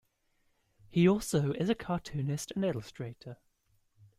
He also is a cartoonist and illustrator.